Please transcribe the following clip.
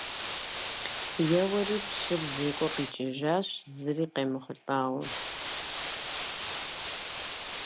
Еуэри, пщыр зекӀуэ къикӀыжащ зыри къемыхъулӀауэ.